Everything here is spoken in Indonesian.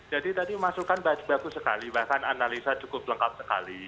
jadi tadi masukan bagus sekali bahkan analisa cukup lengkap sekali